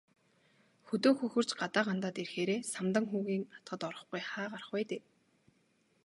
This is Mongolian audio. Хөдөө хөхөрч, гадаа гандаад ирэхээрээ Самдан хүүгийн атгад орохгүй хаа гарах вэ дээ.